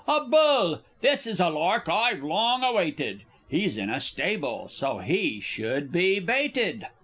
_ A bull! This is a lark I've long awaited! He's in a stable, so he should be baited.